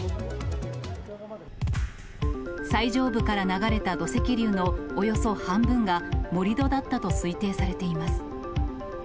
最上部から流れた土石流のおよそ半分が、盛り土だったと推定されています。